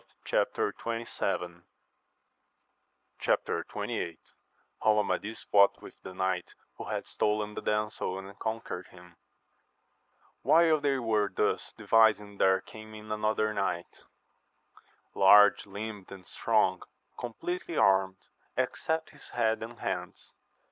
Chap. XXVIII. — How Amadis fought wifch the knight who had stolen awaj the damsel, and conquer^ him. HILE they were thus devising there came in another knight, large limbed and strong, compleatly armed, except his head and hands.